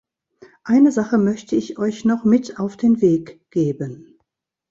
Eine Sache möchte ich euch noch mit auf den Weg geben.